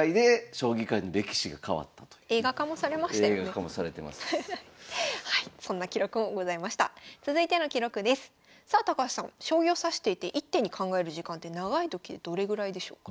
将棋を指していて１手に考える時間って長いときでどれぐらいでしょうか？